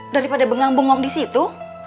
daripada bengang bengong disitu